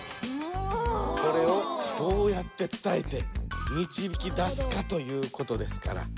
これをどうやって伝えてみちびきだすかということですから。